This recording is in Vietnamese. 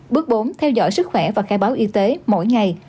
bước bốn theo dõi sức khỏe và khai báo y tế mỗi ngày